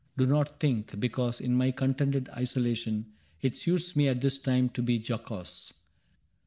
— Do not think. Because in my contented isolation It suits me at this time to be jocose.